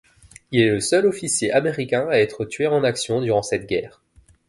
Il est le seul officier américain à être tué en action durant cette guerre.